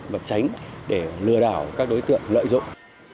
và tránh để lừa đảo các đối tượng lợi dụng